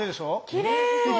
きれい！